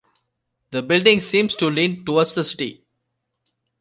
The building seems to lean towards the city.